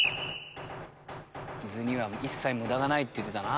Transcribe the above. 図には一切無駄がないって言ってたな。